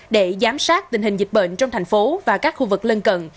để giám sát tình hình dịch bệnh trong thành phố và các khu vực lân cận